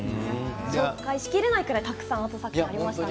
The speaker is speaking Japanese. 紹介しきれないくらいたくさんアート作品がありましたね。